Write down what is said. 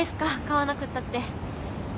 買わなくったって。